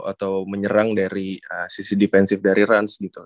menjaga atau menyerang dari sisi defensif dari ranz gitu